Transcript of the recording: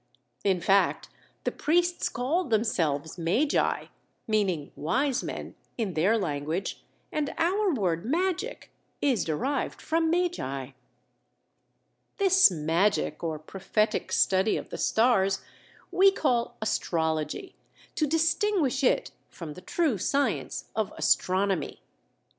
In fact, the priests called themselves magi, meaning "wise men" in their language, and our word "magic" is derived from "magi." This magic, or prophetic study of the stars, we call astrology to distinguish it from the true science of astronomy.